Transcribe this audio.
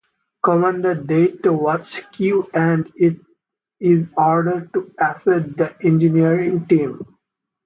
Commander Data to watch Q and is ordered to assist the Engineering team.